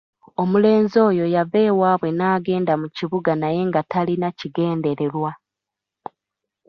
Omulenzi oyo yava ewaabwe n'agenda mu kibuga naye nga talina kigendererwa.